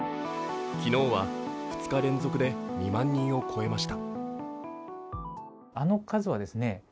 昨日は２日連続で２万人を超えました。